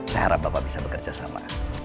saya harap bapak bisa bekerja sama